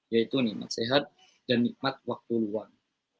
yaitu nikmat sehat dan nikmat waktu luang